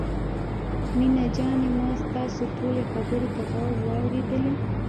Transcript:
مينه جانې ما ستاسو ټولې خبرې په غور واورېدلې.